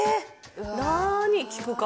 何聞くか。